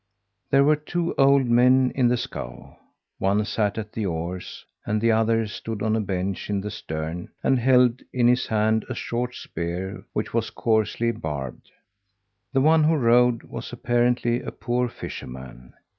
There were two old men in the scow. One sat at the oars, and the other stood on a bench in the stern and held in his hand a short spear which was coarsely barbed. The one who rowed was apparently a poor fisherman.